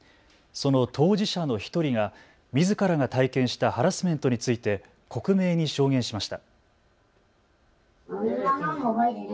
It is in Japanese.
その当事者の１人がみずからが体験したハラスメントについて克明に証言しました。